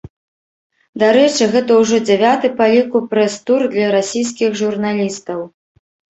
Дарэчы, гэта ўжо дзявяты па ліку прэс-тур для расійскіх журналістаў.